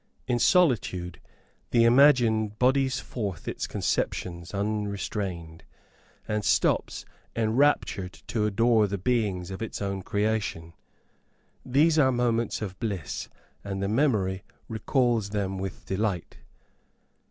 In solitude, the imagination bodies forth its conceptions unrestrained, and stops enraptured to adore the beings of its own creation. These are moments of bliss; and the memory recalls them with delight.